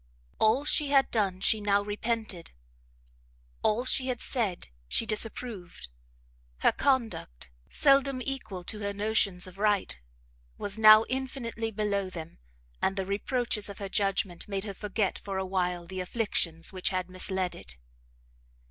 All she had done she now repented, all she had said she disapproved; her conduct, seldom equal to her notions of right, was now infinitely below them, and the reproaches of her judgment made her forget for a while the afflictions which had misled it.